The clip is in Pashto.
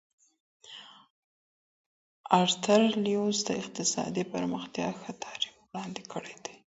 ارتر ليوس د اقتصادي پرمختيا ښه تعريف وړاندې کړی دی.